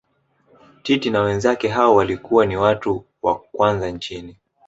Titi na wenzake hao walikuwa ni watu wa kwanza nchini